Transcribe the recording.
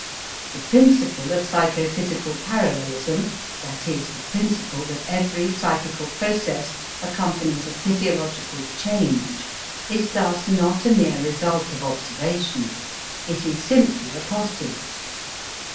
The principle of psychophysical parallelism, that is, the principle that every psychical process accompanies a physiological change is thus not a mere result of observation. It is simply a postulate.